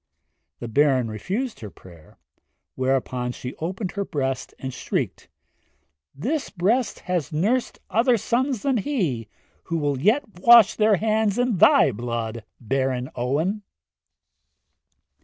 The Baron refused her prayer, whereupon she opened her breast and shrieked, 'This breast has nursed other sons than he, who will yet wash their hands in thy blood, Baron Owen!'